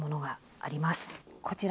こちら。